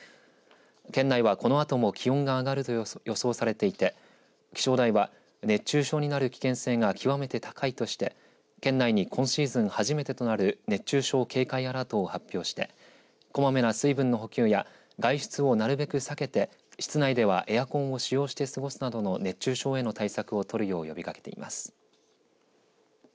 県内は、このあとも気温が上がると予想されていて気象台は、熱中症になる危険性が極めて高いとして県内に今シーズン初めてとなる熱中症警戒アラート発表してこまめな水分の補給や外出をなるべく避けて室内ではエアコンを使用して過ごすなどなの熱中症への対策を取るようにしています。